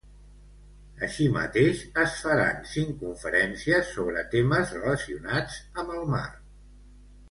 Així mateix, es faran cinc conferències sobre temes relacionats amb el mar.